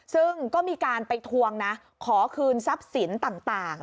ซึ่งก็มีการไปทวงนะขอคืนทรัพย์สินต่าง